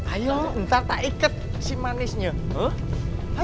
ayo bentar weaketnya